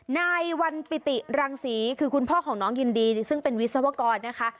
นายวันปิติรังศรีคือคุณพ่อของน้องยินดีซึ่งเป็นวิศวกรนะคะ